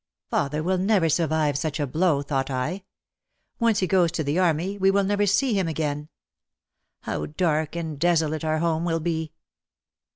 Father will never survive such a blow, thought I. Once he goes to the army we will never see him again. How dark and desolate our home will be!